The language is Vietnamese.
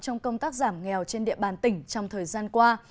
trong công tác giảm nghèo trên địa bàn tỉnh trong thời gian qua